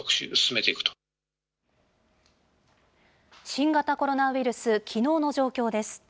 新型コロナウイルス、きのうの状況です。